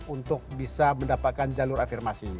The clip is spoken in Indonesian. untuk bisa mendapatkan jalur afirmasi